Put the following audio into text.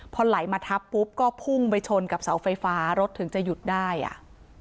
พอไหลมาทับปุ๊บก็พุ่งไปชนกับเสาไฟฟ้ารถถึงจะหยุดได้อ่ะ